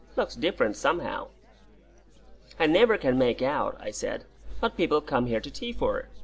Looks different, somehow." "I never can make out," I said, "what people come here to tea for.